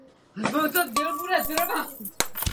Měl přezdívku Ken.